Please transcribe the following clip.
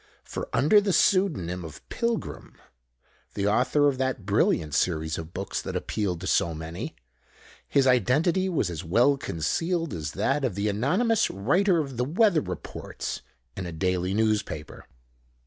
For under the pseudonym of "Pilgrim" (the author of that brilliant series of books that appealed to so many), his identity was as well concealed as that of the anonymous writer of the weather reports in a daily newspaper.